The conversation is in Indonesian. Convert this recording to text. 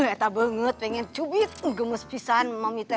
eta banget pengen cubit gemus pisan mamite